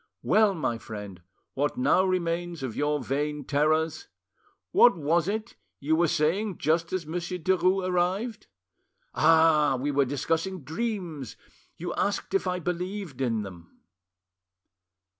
Well, my friend, what now remains of your vain terrors? What was it you were saying just as Monsieur Derues arrived? ... Ah! we were discussing dreams, you asked if I believed in them."